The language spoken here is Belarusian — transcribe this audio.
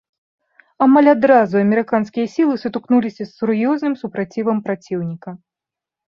Амаль адразу амерыканскія сілы сутыкнуліся з сур'ёзным супрацівам праціўніка.